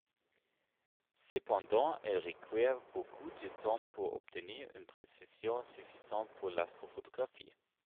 Cependant, elle requiert beaucoup de temps pour obtenir une précision suffisante pour l'astrophotographie.